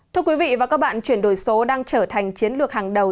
thưa quý vị và các bạn chuyển đổi số đang trở thành chiến lược hàng đầu